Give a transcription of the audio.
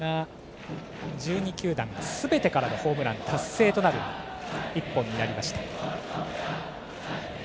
１２球団すべてからのホームラン達成となる一本になりました。